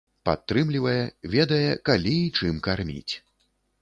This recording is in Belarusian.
Падтрымлівае, ведае, калі і чым карміць.